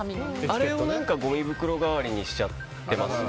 あれをごみ袋代わりにしちゃってます。